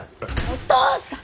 お父さん！